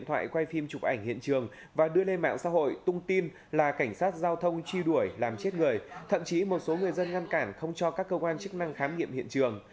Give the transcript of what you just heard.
thậm chí một số người dân ngăn cản không cho các cơ quan chức năng khám nghiệm hiện trường